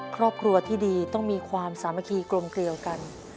ครอบครัวที่ดีต้องมีความสามัคคีกลมเกลียวกัน